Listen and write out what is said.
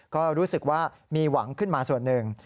ก็รู้สึกว่ามีหวังขึ้นมาส่วนหนึ่ง